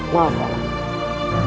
maaf pak man